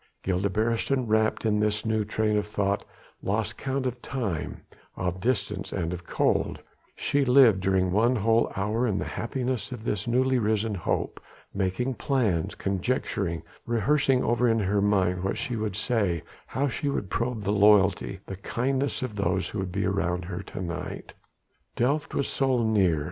Gilda Beresteyn, wrapped in this new train of thought, lost count of time, of distance and of cold: she lived during one whole hour in the happiness of this newly risen hope, making plans, conjecturing, rehearsing over in her mind what she would say, how she would probe the loyalty, the kindness of those who would be around her to night. Delft was so near!